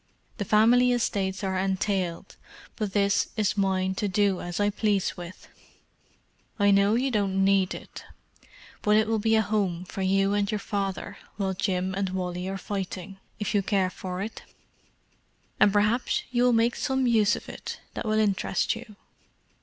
The family estates are entailed, but this is mine to do as I please with. I know you don't need it, but it will be a home for you and your father while Jim and Wally are fighting, if you care for it. And perhaps you will make some use of it that will interest you.